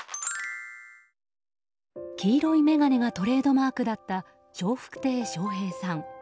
黄色い眼鏡がトレードマークだった笑福亭笑瓶さん。